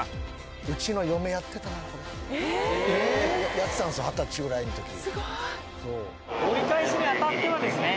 やってた二十歳ぐらいのとき。